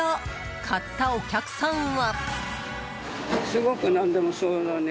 買ったお客さんは。